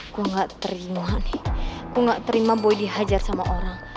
gue gak terima nih aku gak terima boy dihajar sama orang